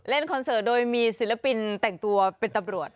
คอนเสิร์ตโดยมีศิลปินแต่งตัวเป็นตำรวจ